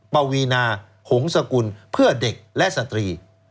ปวีนาหงษกุลเพื่อเด็กและสตรี